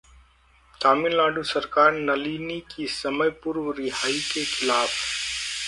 तमिलनाडु सरकार नलिनी की समय पूर्व रिहाई के खिलाफ